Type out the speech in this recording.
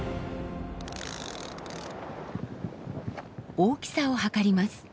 大きさを測ります。